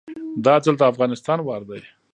دا ځل د افغانستان وار دی